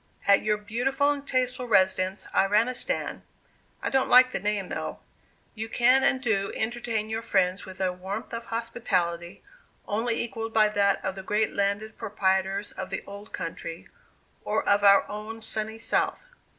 At your beautiful and tasteful residence, 'Iranistan' (I don't like the name, though,) you can and do entertain your friends with a warmth of hospitality, only equalled by that of the great landed proprietors of the old country, or of our own 'sunny South.